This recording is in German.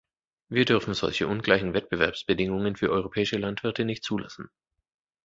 Wir dürfen solche ungleichen Wettbewerbsbedingungen für europäische Landwirte nicht zulassen.